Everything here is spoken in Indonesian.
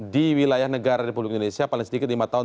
di wilayah negara republik indonesia paling sedikit lima tahun